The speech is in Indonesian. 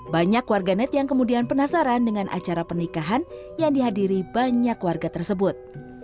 banyak warganet yang kemudian penasaran dengan acara pernikahan yang dihadiri banyak warga tersebut